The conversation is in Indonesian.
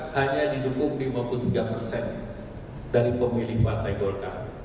hanya didukung lima puluh tiga persen dari pemilih partai golkar